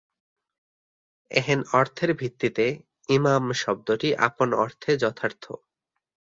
এহেন অর্থের ভিত্তিতে ‘ইমাম’ শব্দটি আপন অর্থে যথার্থ।